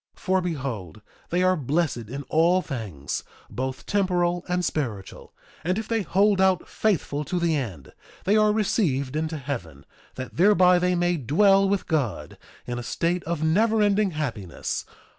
For behold, they are blessed in all things, both temporal and spiritual; and if they hold out faithful to the end they are received into heaven, that thereby they may dwell with God in a state of never ending happiness.